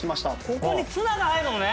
ここにツナが入るのね？